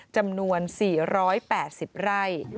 จำนวน๔๘๐ไร่